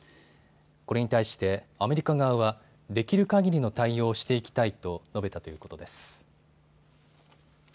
これに対してアメリカ側はできるかぎりの対応をしていきたいと述べたということです。